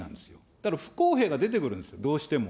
だから不公平が出てくるんですよ、どうしても。